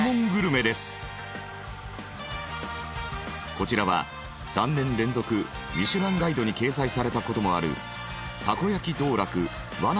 こちらは３年連続『ミシュランガイド』に掲載された事もある。